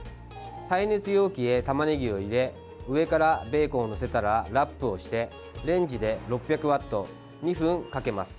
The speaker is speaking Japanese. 耐熱容器へたまねぎを入れ上からベーコンを載せたらラップをしてレンジで６００ワット、２分かけます。